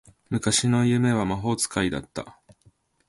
昔の夢は魔法使いだった